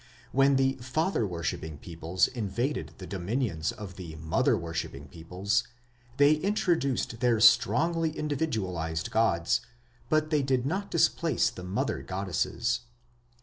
When the father worshipping peoples invaded the dominions of the mother worshipping peoples, they introduced their strongly individualized gods, but they did not displace the mother goddesses.